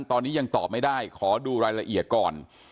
ตอนนี้ยังตอบไม่ได้ขอดูรายละเอียดก่อน